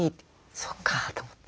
そっかと思って。